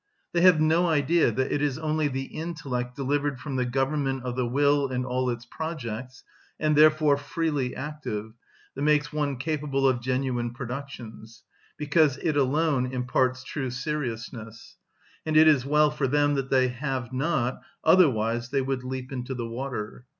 They have no idea that it is only the intellect delivered from the government of the will and all its projects, and therefore freely active, that makes one capable of genuine productions, because it alone imparts true seriousness; and it is well for them that they have not, otherwise they would leap into the water.